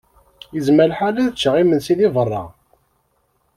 Yezmer lḥal ad ččeɣ imensi di berra.